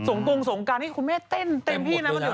สงบงสงกาแบบนี่คุณแม่เต้นเต็มให้กันแล้ว